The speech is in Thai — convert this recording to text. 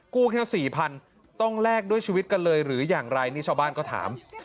แค่๔๐๐๐ต้องแลกด้วยชีวิตกันเลยหรืออย่างไรนี่ชาวบ้านก็ถาม